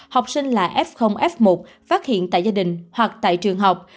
học sinh là f f một phát hiện tại gia đình hoặc tại trường học